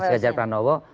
mas ganjar pranowo